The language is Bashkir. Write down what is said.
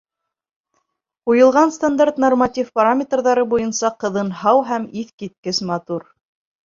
Ҡуйылған стандарт норматив параметрҙары буйынса ҡыҙың һау һәм иҫ киткес матур.